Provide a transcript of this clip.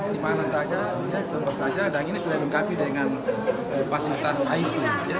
di mana saja tentu saja dan ini sudah dilengkapi dengan fasilitas it